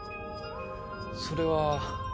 それは。